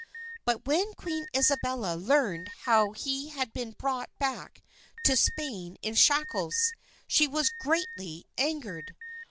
But when Queen Isabella learned how he had been brought back to Spain in shackles, she was greatly angered.